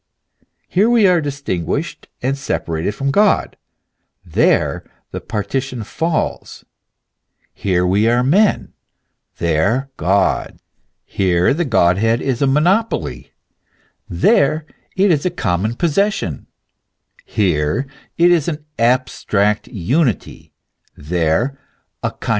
Here we are distinguished and separated from God, there the partition falls ; here we are men, there gods ; here the Godhead is a monopoly, there it is a common possession ; here it is an abstract unity, there a concrete multiplicity.